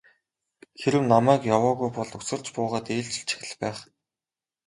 Хэрэв намайг яваагүй бол үсэрч буугаад ээлжилчих л байх.